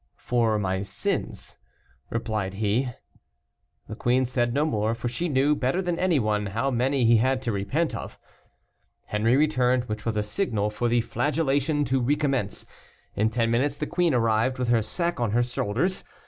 "For my sins," replied he. The queen said no more, for she knew, better than any one, how many he had to repent of. Henri returned, which was a signal for the flagellation to recommence. In ten minutes the queen arrived, with her sack on her shoulders.